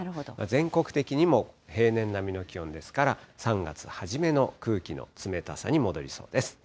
全国的にも平年並みの気温ですから、３月初めの空気の冷たさに戻りそうです。